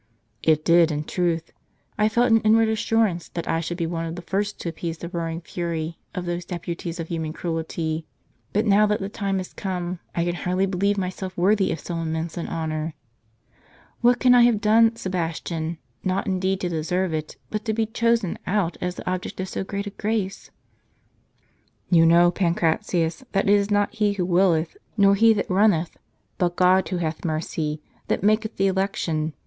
" It did, in truth. I felt an inward assurance that I should be one of the first to appease the roaring fury of those deputies of human cruelty. But now that the time is come, I can hardly believe myself worthy of so immense an honor. What can I have done, Sebastian, not indeed to deserve it, but to be chosen out as the object of so great a grace?" " You know, Pancratius, that it is not he who willeth, nor he that i unneth, but God who hath mercy, that maketh the election.